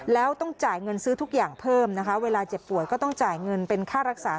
แล้วต้องจ่ายเงินซื้อทุกอย่างเพิ่มนะคะเวลาเจ็บป่วยก็ต้องจ่ายเงินเป็นค่ารักษา